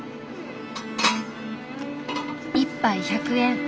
１杯１００円。